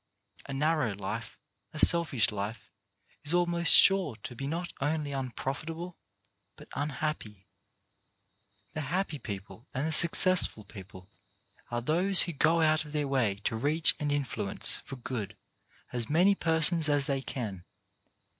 A narrow life, a selfish life, is almost sure to be not only un profitable but unhappy. The happy people and the successful people are those who go out of their 203 2o 4 CHARACTER BUILDING way to reach and influence for good as many persons as they can.